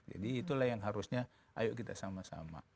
jadi itulah yang harusnya ayo kita sama sama